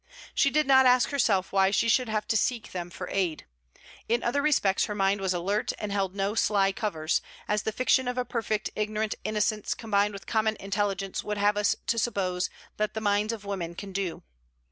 She did not ask herself why she should have to seek them for aid. In other respects her mind was alert and held no sly covers, as the fiction of a perfect ignorant innocence combined with common intelligence would have us to suppose that the minds of women can do.